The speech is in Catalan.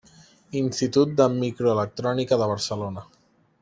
Institut de Microelectrònica de Barcelona.